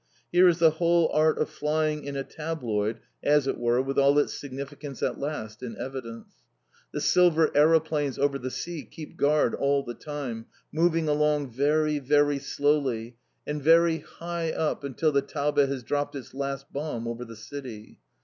Here is the whole art of flying in a tabloid as it were, with all its significance at last in evidence. The silver aeroplanes over the sea keep guard all the time, moving along very, very slowly, and very high up, until the Taube has dropped its last bomb over the city.